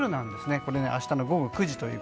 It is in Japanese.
これ、明日の午後９時です。